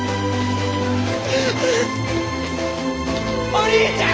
お兄ちゃん！